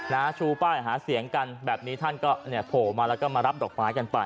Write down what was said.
ชูป้ายหาเสียงกันแบบนี้ท่านก็เนี่ยโผล่มาแล้วก็มารับดอกไม้กันไป